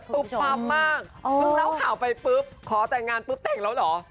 พึ่งเล่าข่าวไปปุ๊บขอแต่งงานปุ๊บแต่งแล้วหรอ